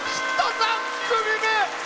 ３組目！